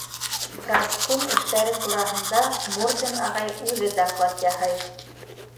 Продкум эштәре тураһында Мурзин ағай үҙе доклад яһай.